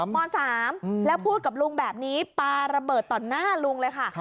ม๓แล้วพูดกับลุงแบบนี้ปาระเบิดต่อหน้าลุงเลยค่ะ